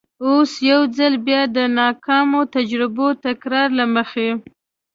اوس یو ځل بیا د ناکامو تجربو تکرار له مخې.